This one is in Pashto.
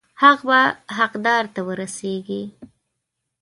حق به حقدار ته ورسیږي.